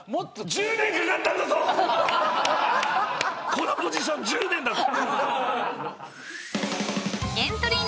このポジション１０年だぞ？